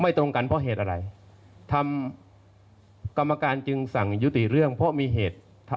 ตรงกันเพราะเหตุอะไรทำกรรมการจึงสั่งยุติเรื่องเพราะมีเหตุทำ